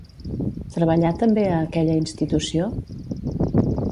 Treballà també a aquella institució?